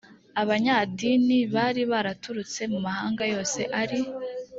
abanyadini bari baraturutse mu mahanga yose ari